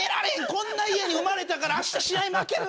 こんな家に生まれたから明日試合負ける！」